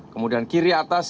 kemudian kiri atas